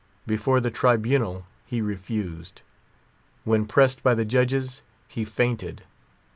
Before the tribunal he refused. When pressed by the judges he fainted.